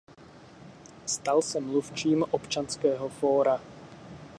Stal se mluvčím Občanského fóra.